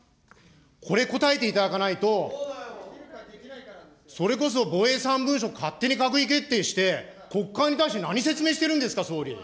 これ、答えていただかないと、それこそ防衛３文書、勝手に閣議決定して、国会に対して何説明してるんですか、総理。